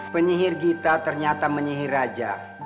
penyiir gita ternyata menyihir raja